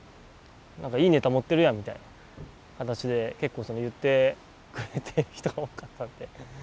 いいネタ持ってるやんみたいな形で結構言ってくれている人が多かったんで。